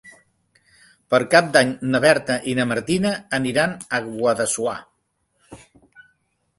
Per Cap d'Any na Berta i na Martina aniran a Guadassuar.